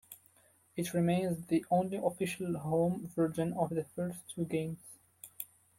It remains the only official home version of the first two games.